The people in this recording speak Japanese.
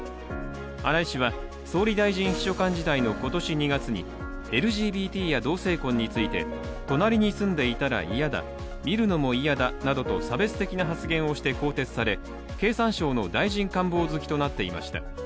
荒井氏は、総理大臣秘書官時代の今年２月にＬＧＢＴや同性婚について隣に住んでいたら嫌だ見るのも嫌だと差別的な発言をしたとして更迭され、経産省の大臣官房付となっていました。